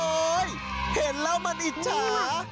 เห็นแล้วมันอิจฉา